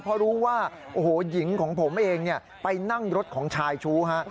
เพราะรู้ว่าโอ้โหหญิงของผมเองไปนั่งรถของชายชู้ฮะ